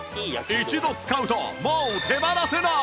一度使うともう手放せない！